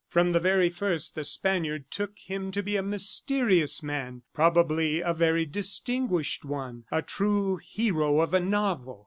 From the very first the Spaniard took him to be a mysterious man, probably a very distinguished one a true hero of a novel.